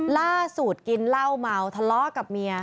ล่าสุดกินเหล้าเมาทะเลาะกับเมีย